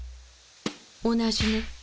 同じね。